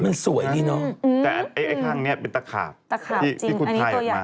มันสวยดิเนอะแต่ไอ้ข้างเนี่ยเป็นตะขาบที่คุณไทยออกมา